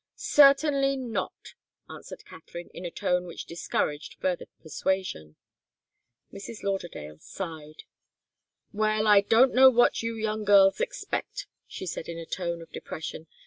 "Certainly not!" answered Katharine, in a tone which discouraged further persuasion. Mrs. Lauderdale sighed. "Well I don't know what you young girls expect," she said, in a tone of depression.